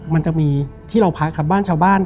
มันจะมีที่เราพักครับบ้านชาวบ้าน